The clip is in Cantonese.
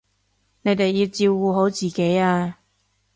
你哋要照顧好自己啊